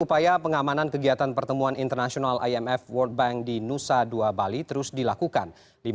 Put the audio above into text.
upaya pengamanan kegiatan pertemuan internasional imf world bank di nusa dua bali terus dilakukan